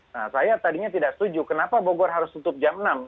nah saya tadinya tidak setuju kenapa bogor harus tutup jam enam